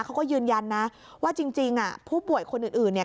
เขาก็ยืนยันนะว่าจริงจริงอ่ะผู้ป่วยคนอื่นอื่นเนี่ย